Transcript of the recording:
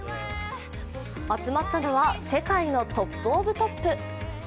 集まったのは、世界のトップ・オブ・トップ。